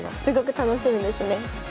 すごく楽しみですね。